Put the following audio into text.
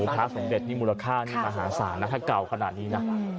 พระสมเด็จมูลค่านี้มหาศาลนักศักดิ์เก่าขนาดนี้นะ